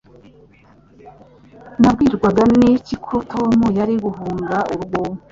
Nabwirwa n'iki ko Tom yari guhunga urugo?